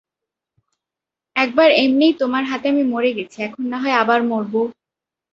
একবার এমনেই তোমার হাতে আমি মরে গেছি, এখন না হয় আবার মরব।